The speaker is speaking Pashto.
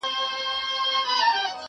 شاهدان كه د چا ډېر وه د ظلمونو٫